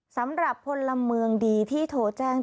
สำหรับคนละเมืองดีที่ถูลแจ้งเจ้าหน้าที่